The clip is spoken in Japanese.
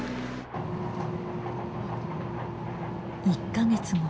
１か月後。